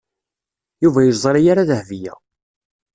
Yuba ur yeẓri ara Dahbiya.